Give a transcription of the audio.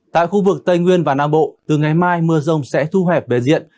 tại khu vực tây nguyên và nam bộ từ ngày mai mưa rông sẽ thu hẹp về diện